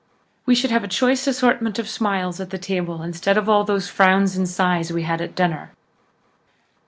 We should have a choice assortment of smiles at the table instead of all those frowns and sighs we had at dinner."